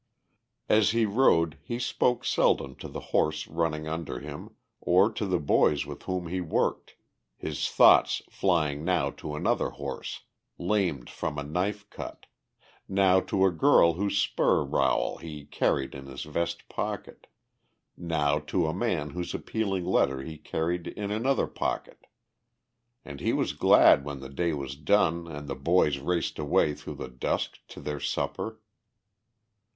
As he rode he spoke seldom to the horse running under him or to the boys with whom he worked, his thoughts flying now to another horse, lamed from a knife cut, now to a girl whose spur rowel he carried in his vest pocket, now to a man whose appealing letter he carried in another pocket. And he was glad when the day was done and the boys raced away through the dusk to their supper.